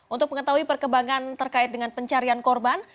untuk mengetahui perkembangan terkait dengan pencarian korban